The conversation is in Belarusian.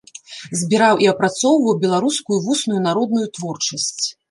Збіраў і апрацоўваў беларускую вусную народную творчасць.